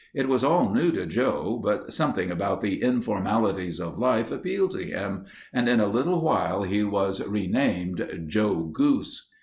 It was all new to Joe, but something about the informalities of life appealed to him and in a little while he was renamed Joe Goose.